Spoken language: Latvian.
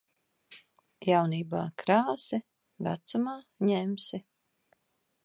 Jaunībā krāsi, vecumā ņemsi.